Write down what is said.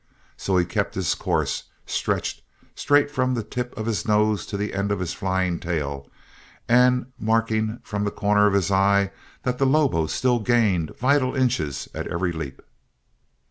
So he kept to his course, stretched straight from the tip of his nose to the end of his flying tail and marking from the corner of his eye that the lobo still gained vital inches at every leap.